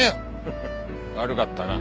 フフ悪かったな。